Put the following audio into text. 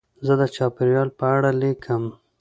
زه د چاپېریال په اړه لیکم.